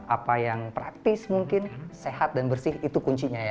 apa yang praktis mungkin sehat dan bersih itu kuncinya ya